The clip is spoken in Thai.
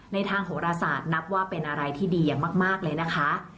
ทางโหรศาสตร์นับว่าเป็นอะไรที่ดีอย่างมากเลยนะคะ